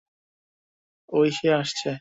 ওই সে আসছে।